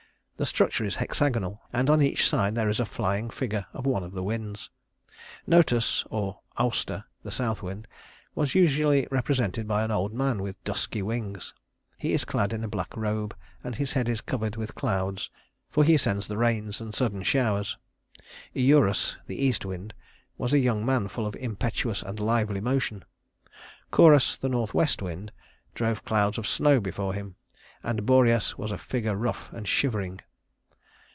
The structure is hexagonal, and on each side there is a flying figure of one of the winds. Notus (or Auster), the south wind, was usually represented by an old man with dusky wings. He is clad in a black robe, and his head is covered with clouds, for he sends the rains and sudden showers. Eurus, the east wind, was a young man full of impetuous and lively motion. Corus, the northwest wind, drove clouds of snow before him, and Boreas was a figure rough and shivering.